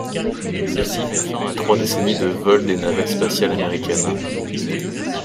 Celle-ci met fin à trois décennies de vols des navettes spatiales américaines.